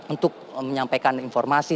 untuk menyampaikan informasi